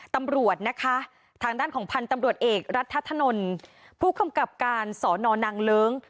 ตำรวจนะคะทางด้านของพันธุ์ตำรวจเอกรัฐธนลผู้กำกับการสอนอนางเลิ้ง